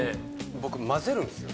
僕混ぜるんですよ。